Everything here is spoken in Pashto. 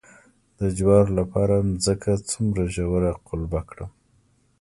د جوارو لپاره ځمکه څومره ژوره قلبه کړم؟